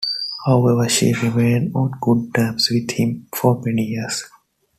However, she remained on good terms with him for many years.